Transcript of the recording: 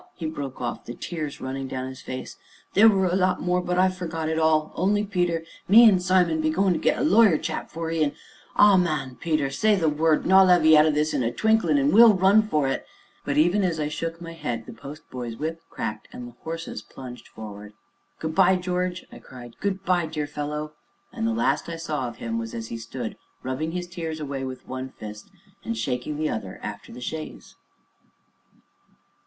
he broke off, the tears running down his face, "there were a lot more, but I've forgot it all, only, Peter, me an' Simon be goin' to get a lawyer chap for 'ee, an' oh, man, Peter, say the word, an' I'll have 'ee out o' this in a twinklin' an' we'll run for it " But, even as I shook my head, the postboy's whip cracked, and the horses plunged forward. "Good by, George!" I cried, "good by, dear fellow!" and the last I saw of him was as he stood rubbing his tears away with one fist and shaking the other after the chaise.